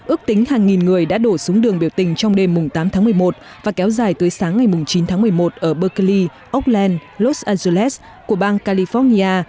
ước tính hàng nghìn người đã đổ xuống đường biểu tình trong đêm tám tháng một mươi một và kéo dài tới sáng ngày chín tháng một mươi một ở burkile okland los angeles của bang california